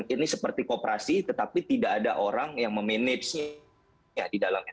ini seperti kooperasi tetapi tidak ada orang yang memanagenya di dalamnya